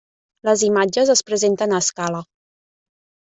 Les imatges es presenten a escala.